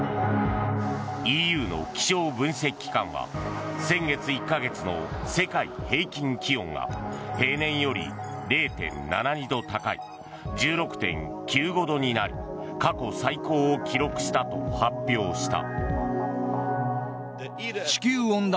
ＥＵの気象分析機関は先月１か月の世界平均気温が平年より０．７２度高い１６．９５度になり過去最高を記録したと発表した。